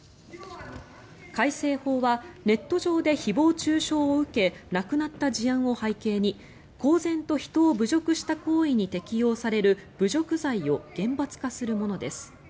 改正法はネット上で誹謗・中傷を受け亡くなった事案を背景に公然と人を侮辱した行為に適用される侮辱罪を厳罰化するものです。